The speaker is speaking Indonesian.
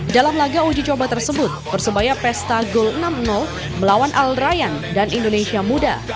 dalam laga uji coba tersebut persebaya pesta gol enam melawan aldrian dan indonesia muda